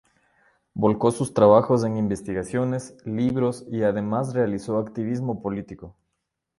Volcó sus trabajos en investigaciones, libros y además realizó activismo político.